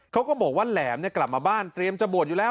เขาก็บอกว่าแหลมกลับมาบ้านเตรียมจะบวชอยู่แล้ว